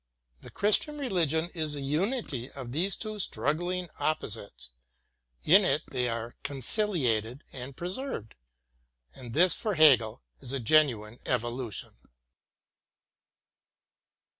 The Christian religion is the unity of these two struggling op posites ; in it they are conciliated and preserved. And this for Hegel is genuine evolution.